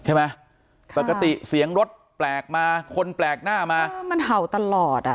ปกติเสียงรถแปลกมาคนแปลกหน้ามามันเห่าตลอดอ่ะ